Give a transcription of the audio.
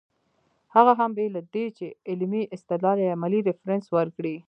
هغه هم بې له دې چې علمي استدلال يا علمي ريفرنس ورکړي